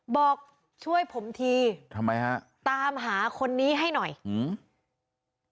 บอกช่วยผมทีทำไมฮะตามหาคนนี้ให้หน่อยอืม